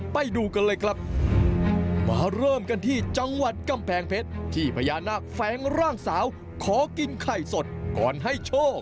ไปดูกันเลยครับมาเริ่มกันที่จังหวัดกำแพงเพชรที่พญานาคแฟ้งร่างสาวขอกินไข่สดก่อนให้โชค